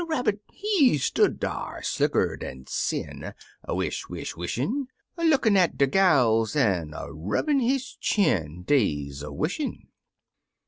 Rabbit, he stood dar, slicker dan sin — A wish, wish, wishin' — A lookin' at de gals, an' a rubbin' his chin — Des a wishin'.